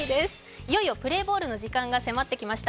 いよいよプレーボールの時間が迫ってきました